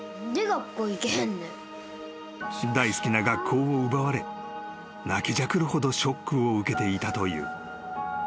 ［大好きな学校を奪われ泣きじゃくるほどショックを受けていたという］